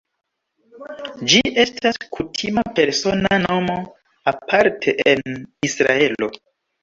Ĝi estas kutima persona nomo aparte en Israelo.